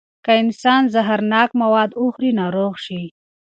که انسان زهرناکه مواد وخوري، ناروغ شي.